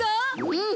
うん。